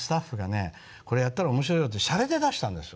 「これやったら面白いよ」ってしゃれで出したんですよ。